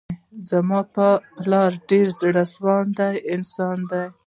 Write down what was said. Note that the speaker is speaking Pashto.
زما پلار ډير زړه سوانده انسان دی.